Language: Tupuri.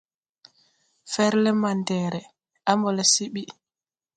Fɛrle mandɛɛrɛ, a mbɔ le se ɓi.